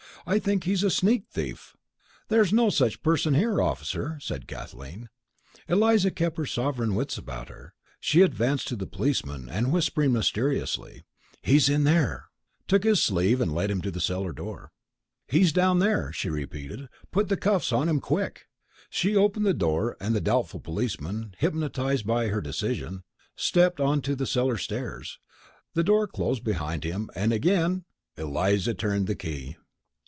I think he's a sneak thief." "There's no such person here, officer," said Kathleen. Eliza still kept her sovereign wits about her. She advanced to the policeman, and whispering mysteriously "He's in here," took his sleeve and led him to the cellar door. "He's down there," she repeated; "put the cuffs on him, quick!" She opened the door, and the doubtful policeman, hypnotized by her decision, stepped on to the cellar stairs. The door closed behind him, and again Eliza turned the key.